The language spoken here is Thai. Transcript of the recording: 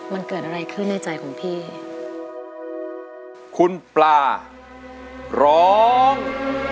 มันเกิดอะไรขึ้นในใจของพี่คุณปลาร้อง